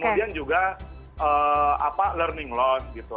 kemudian juga learning loss gitu